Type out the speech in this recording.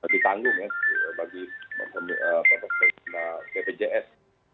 ditanggung ya bagi bppjs